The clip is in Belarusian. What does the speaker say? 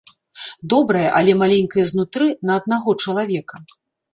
Добрая, але маленькая знутры, на аднаго чалавека.